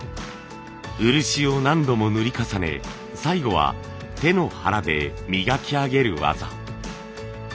漆を何度も塗り重ね最後は手の腹で磨き上げる技。